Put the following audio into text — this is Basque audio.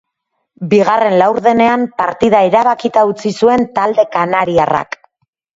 Bigarren laurdenean partida erabakita utzi zuen talde kanariarrak.